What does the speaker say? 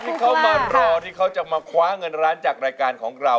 ที่เขามารอที่เขาจะมาคว้าเงินล้านจากรายการของเรา